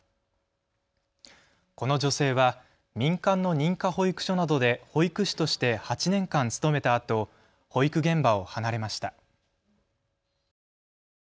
この女性は民間の認可保育所などで保育士として８年間勤めたあと保育現場を離れました。